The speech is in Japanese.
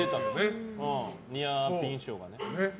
ニアピン賞がね。